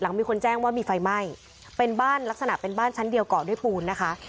มีคนแจ้งว่ามีไฟไหม้เป็นบ้านลักษณะเป็นบ้านชั้นเดียวเกาะด้วยปูนนะคะ